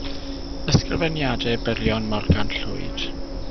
Ysgrifeniadau byrion Morgan Llwyd.